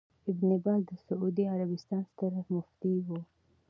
ابن باز د سعودي عربستان ستر مفتي وو